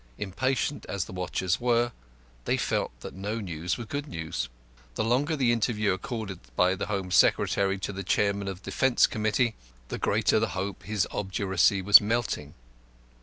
Impatient as the watchers were, they felt that no news was good news. The longer the interview accorded by the Home Secretary to the chairman of the Defence Committee, the greater the hope his obduracy was melting.